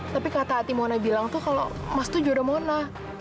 tapi kata ati mona bilang tuh kalau mas tuh juara mona